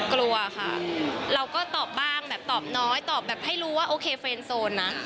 กลัวค่ะเราก็ตอบบ้างแบบตอบน้อยตอบแบบให้รู้ว่าโอเคเฟรนโซนนะ